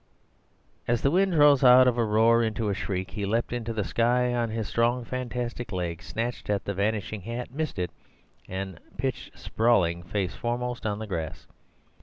As the wind rose out of a roar into a shriek, he leapt into the sky on his strong, fantastic legs, snatched at the vanishing hat, missed it, and pitched sprawling face foremost on the grass.